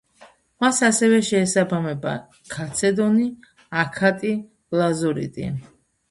მას ასევე შეესაბამება: ქალცედონი, აქატი, ლაზურიტი.